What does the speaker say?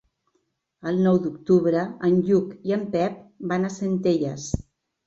El nou d'octubre en Lluc i en Pep van a Centelles.